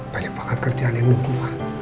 banyak banget kerjaan yang lukuh mah